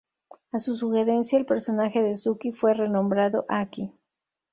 A su sugerencia, el personaje de Suki fue renombrado Aki.